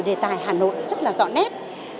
đề tài hà nội rất là rõ nét